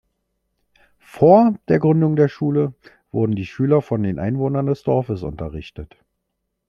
Vor der Gründung der Schule wurden die Schüler von den Einwohnern des Dorfes unterrichtet.